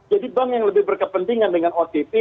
jadi bank yang lebih berkepentingan dengan otp